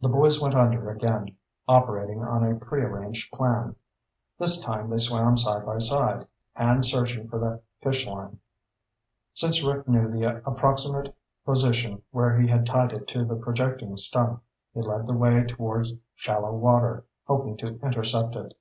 The boys went under again, operating on a prearranged plan. This time they swam side by side, hands searching for the fish line. Since Rick knew the approximate position where he had tied it to the projecting stump, he led the way toward shallow water, hoping to intercept it.